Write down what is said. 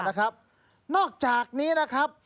นอกจากนี้นะครับ